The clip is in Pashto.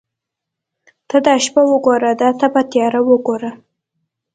ته دا شپه وګوره دا تپه تیاره وګوره.